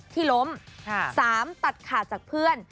๓ตัดขาดจากเพื่อน